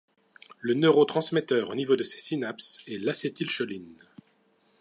Le neurotransmetteur au niveau de ces synapses est l'acétylcholine.